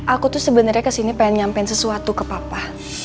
aku tuh sebenarnya kesini pengen nyampein sesuatu ke papa